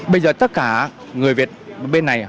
bây giờ tất cả người việt bên này